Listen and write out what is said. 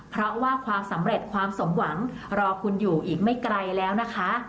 เพราะว่าความสำเร็จความสมหวังรอคุณอยู่อีกไม่ไกลแล้วนะคะ